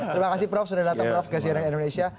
terima kasih prof sudah datang ke siena indonesia